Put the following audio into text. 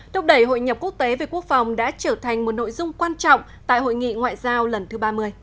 thúc đẩy hội nhập quốc tế về quốc phòng đã trở thành một nội dung quan trọng tại hội nghị ngoại giao lần thứ ba mươi